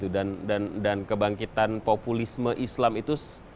dan kebangkitan populisme islam itu